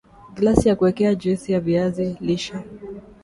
Glasi ya kuwekea juisi ya viazi lishe